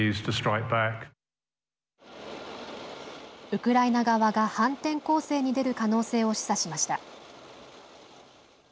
ウクライナ側が反転攻勢に出る可能性を示唆しました。